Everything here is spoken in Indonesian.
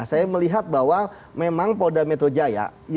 saya melihat bahwa memang polda metro jaya